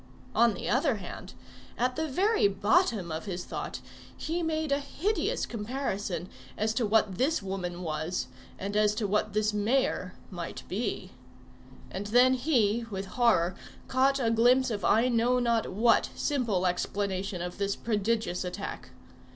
On the other hand, at the very bottom of his thought, he made a hideous comparison as to what this woman was, and as to what this mayor might be; and then he, with horror, caught a glimpse of I know not what simple explanation of this prodigious attack.